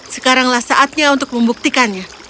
sekaranglah saatnya untuk membuktikannya